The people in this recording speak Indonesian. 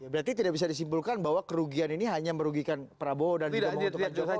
berarti tidak bisa disimpulkan bahwa kerugian ini hanya merugikan prabowo dan juga menguntungkan jokowi